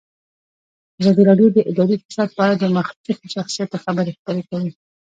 ازادي راډیو د اداري فساد په اړه د مخکښو شخصیتونو خبرې خپرې کړي.